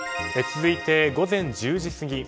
続いて午前１０時過ぎ。